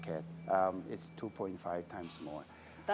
itu dua lima kali lebih